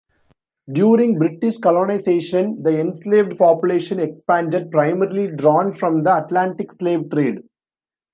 During British colonization, the enslaved population expanded, primarily drawn from the Atlantic slave trade.